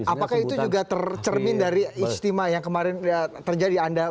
apakah itu juga tercermin dari istimewa yang kemarin terjadi